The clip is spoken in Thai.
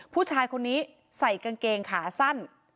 ผู้ชายคนนี้ใส่กางเกงขาสั้น